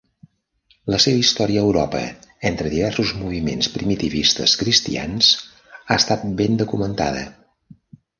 La seva història a Europa entre diversos moviments primitivistes cristians ha estat ben documentada.